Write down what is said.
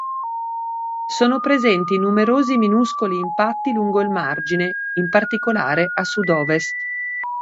Sono presenti numerosi minuscoli impatti lungo il margine, in particolare a sud-ovest.